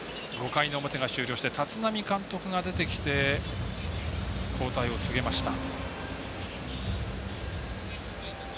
５回の表終了して立浪監督が出てきて交代を告げました。